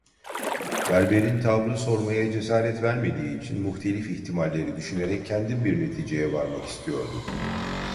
Berberin tavrı sormaya cesaret vermediği için muhtelif ihtimalleri düşünerek kendim bir neticeye varmak istiyordum.